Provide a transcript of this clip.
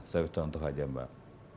saya contoh saja mbak